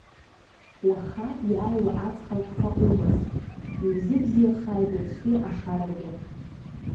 Уаха иааиуа аҵх алԥха умаз, иузыбзиахааит уаҵәтәи ашарагьы.